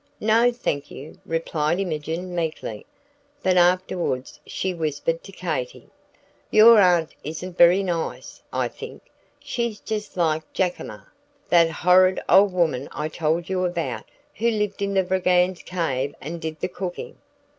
"No, thank you," replied Imogen, meekly. But afterwards she whispered to Katy: "Your aunt isn't very nice, I think. She's just like Jackima, that horrid old woman I told you about, who lived in the Brigand's Cave and did the cooking.